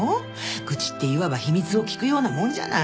愚痴っていわば秘密を聞くようなもんじゃない。